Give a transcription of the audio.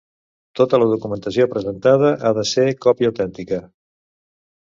Tota la documentació presentada ha de ser còpia autèntica.